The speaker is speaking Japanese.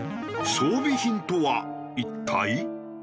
装備品とは一体？